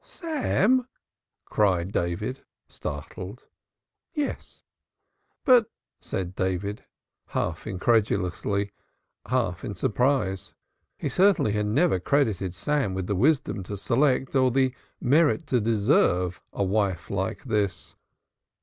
"Sam!" cried David startled. "Yes." "But " said David, half incredulously, half in surprise. He certainly had never credited Sam with the wisdom to select or the merit to deserve a wife like this.